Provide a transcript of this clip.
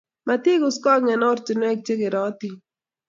Matiguskong' eng' ortinwek chekerotin.